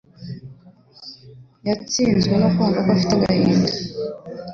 Yatsinzwe no kumva afite agahinda.